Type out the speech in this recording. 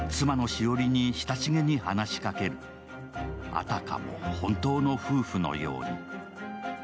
あたかも本当の夫婦のように。